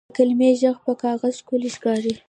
د قلمي ږغ پر کاغذ ښکلی ښکاري.